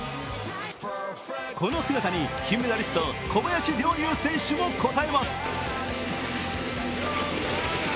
この姿に、金メダリスト小林陵侑選手も応えます。